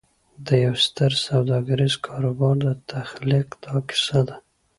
د یوه ستر سوداګریز کاروبار د تخلیق دا کیسه ده